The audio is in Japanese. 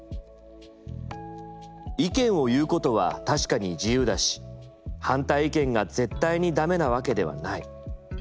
意見を言うことは確かに自由だし反対意見が絶対にだめなわけではない。